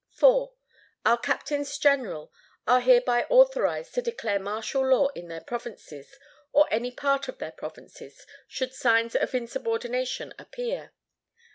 "IV. Our Captains General are hereby authorised to declare martial law in their provinces, or any part of their provinces, should signs of insubordination appear.